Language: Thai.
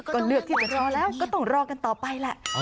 ก็เลือกที่จะรอแล้วก็ต้องรอกันต่อไปแหละ